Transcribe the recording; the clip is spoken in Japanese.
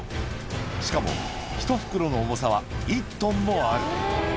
しかも、１袋の重さは１トンもある。